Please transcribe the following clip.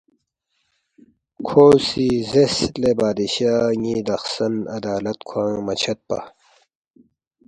کھو سی زیرس، ”لے بادشاہ ن٘ی دخسن عدالت کھوانگ مہ چھدپا